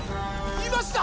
いました！